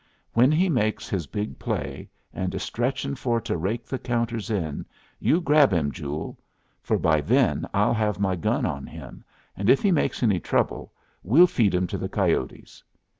When he makes his big play, and is stretchin' for to rake the counters in, you grab 'em, Joole; for by then I'll have my gun on him, and if he makes any trouble we'll feed him to the coyotes.